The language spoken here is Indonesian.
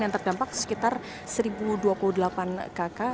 yang terdampak sekitar satu dua puluh delapan kakak